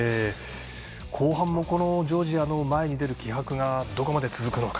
後半もジョージアの前に出る気迫がどこまで続くのか。